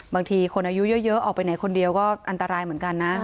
บางทีคนอายุเยอะออกไปไหนคนเดียวก็อันตรายเหมือนกันนะ